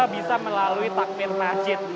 bisa melalui takfir masjid